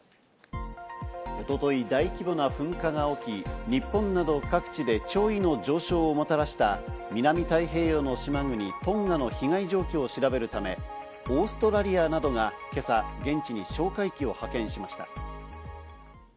一昨日、大規模な噴火が起き、日本など各地で潮位の上昇をもたらした南太平洋の島国・トンガの被害状況を調べるため、オーストラリアなどが今朝現地に哨戒機を派遣しました。